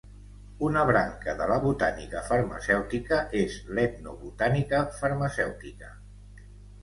Una branca de la botànica farmacèutica és l'etnobotànica farmacèutica.